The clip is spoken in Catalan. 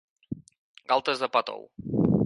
Galtes de pa tou.